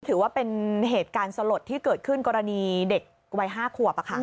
ถือว่าเป็นเหตุการณ์สลดที่เกิดขึ้นกรณีเด็กวัย๕ขวบ